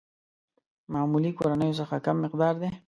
معمولي کورنيو څخه کم مقدار دي.